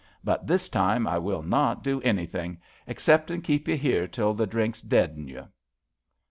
But this time I will not do anything — exceptin' keep you here till the drink's dead in you."